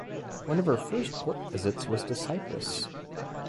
One of her first port visits was to Cyprus.